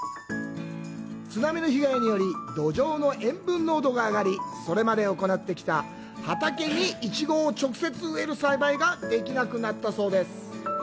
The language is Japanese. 津波の被害により土壌の塩分濃度が上がり、それまで行ってきた畑にイチゴを直接植える栽培ができなくなりました。